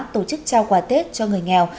tổ chức trao quà tết cho người nghèo